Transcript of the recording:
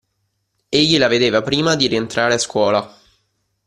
Egli la vedeva prima di rientrare a scuola.